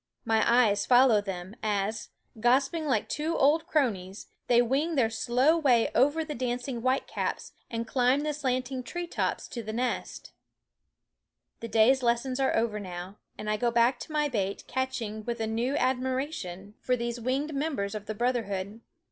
My eyes fol low them as, gossiping like two old cronies, they wing their slow way over the dancing whitecaps and climb the slanting tree tops to the nest. The day's lessons are over now, and I go back to my bait catching with a new admiration for these winged members of the 109 \chool For f ^fjffle fishermen SCHOOL Of brotherhood.